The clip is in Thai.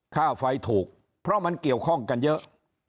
ค่าไฟถูกเพราะมันเกี่ยวข้องกันเยอะ